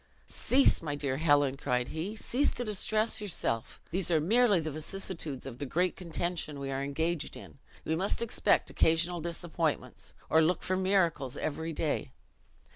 "Cease, my dear Helen," cried he, "cease to distress yourself! These are merely the vicissitudes of the great contention we are engaged in. We must expect occasional disappointments, or look for miracles every day.